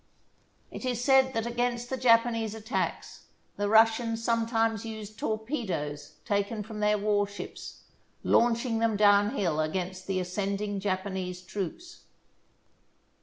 It is said that against the Japanese attacks the Russians sometimes used torpedoes taken from their warships, launching them down hill against the ascending Japanese troops.